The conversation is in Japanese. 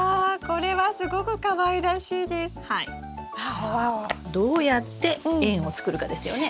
さあどうやって円を作るかですよね。